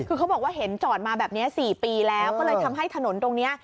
คือเขาบอกว่าเห็นจอดมาแบบนี้๔ปีแล้วก็เลยทำให้ถนนตรงนี้